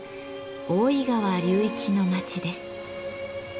大井川流域の町です。